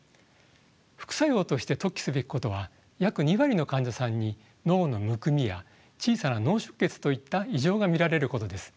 副作用として特記すべきことは約２割の患者さんに脳のむくみや小さな脳出血といった異常が見られることです。